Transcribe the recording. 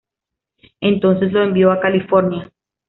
Entonces, lo envió a California.